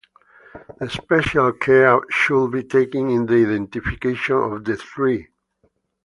The special care should be taken in the identification of the tree.